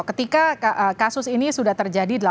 ketika kasus ini sudah terjadi